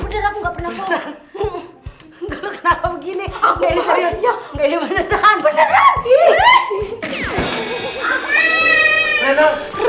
udah aku nggak pernah berjumpa dengan mbak andi mbak